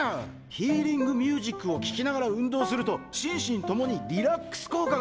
ヒーリングミュージックを聴きながら運動すると心身ともにリラックス効果が。